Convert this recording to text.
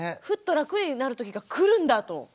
ふっと楽になる時が来るんだと。